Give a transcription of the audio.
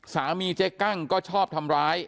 เจ๊กั้งก็ชอบทำร้าย